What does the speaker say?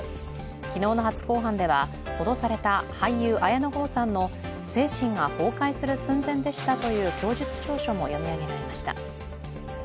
昨日の初公判では脅された俳優・綾野剛さんの精神が崩壊する寸前でしたという供述調書も読み上げられました。